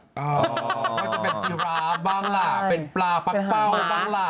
ก็จะเป็นจีราบบ้างล่ะเป็นปลาปักเป้าบ้างล่ะ